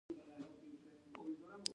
زه اووه قلمونه لرم.